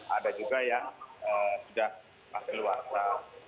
ada juga yang sudah hasil warta